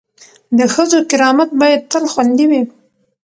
د ښځو کرامت باید تل خوندي وي.